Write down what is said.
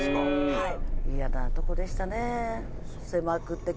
はい。